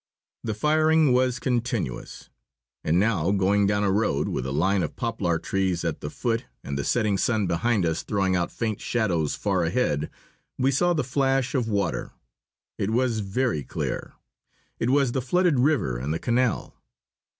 The firing was continuous. And now, going down a road, with a line of poplar trees at the foot and the setting sun behind us throwing out faint shadows far ahead, we saw the flash of water. It was very near. It was the flooded river and the canal.